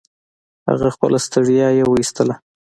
هغه خپله ستړيا يې و ايستله.